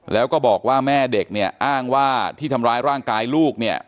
แล้วก็บอกว่าแม่เด็กเนี่ยอ้างว่าที่ทำร้ายร่างกายลูกเนี่ย